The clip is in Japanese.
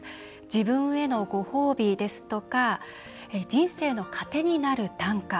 自分へのご褒美ですとか人生の糧になる短歌。